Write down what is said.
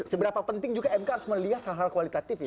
seberapa penting juga mk harus melihat hal hal kualitatif ya